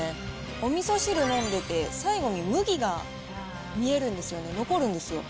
おみそ汁飲んでて、最後に麦が見えるんですよね、残るんですよ。